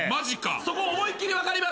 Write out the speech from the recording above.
そこ思いっ切り分かります。